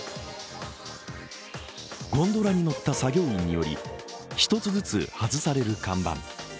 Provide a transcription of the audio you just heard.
ゴンドラに乗った作業員により１つずつ外される看板。